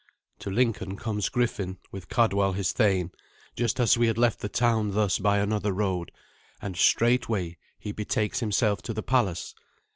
To Lincoln comes Griffin, with Cadwal his thane, just as we had left the town thus by another road, and straightway he betakes himself to the palace.